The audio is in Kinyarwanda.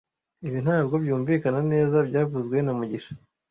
Ibi ntabwo byumvikana neza byavuzwe na mugisha